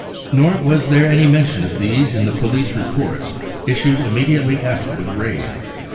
Nor was there any mention of these in the police reports issued immediately after the raid.